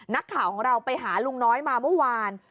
นักข่าวของเราไปหาลุงน้อยมาเมื่อวาน